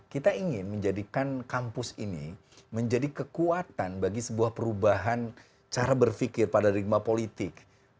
kita ingin menjadikan kampus ini menjadi kekuatan bagi sebuah perubahan cara berpikir pada rigma politik